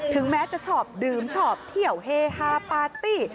แม้จะชอบดื่มชอบเที่ยวเฮฮาปาร์ตี้